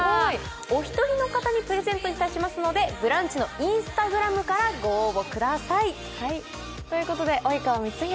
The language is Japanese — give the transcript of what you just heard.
お一人の方にプレゼントいたしますので「ブランチ」のＩｎｓｔａｇｒａｍからご応募ください。